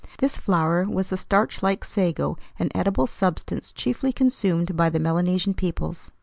This flour was the starch like sago, an edible substance chiefly consumed by the Melanesian peoples.